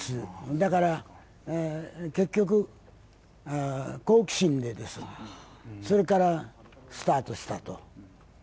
だから結局、好奇心からスタートしたと。